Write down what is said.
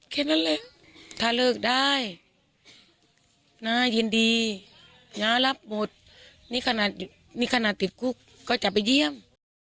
แค่นั้นเลยถ้าเลิกได้น้ายินดีน้ารับหมดนี่ขนาดมีขนาดติดคุกก็จะไปเยี่ยม